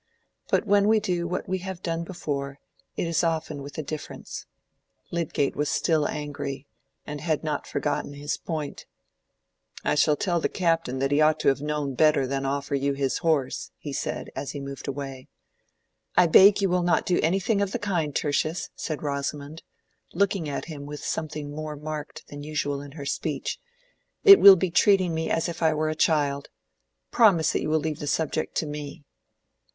But when we do what we have done before, it is often with a difference. Lydgate was still angry, and had not forgotten his point. "I shall tell the Captain that he ought to have known better than offer you his horse," he said, as he moved away. "I beg you will not do anything of the kind, Tertius," said Rosamond, looking at him with something more marked than usual in her speech. "It will be treating me as if I were a child. Promise that you will leave the subject to me."